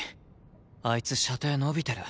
あいつ射程伸びてる。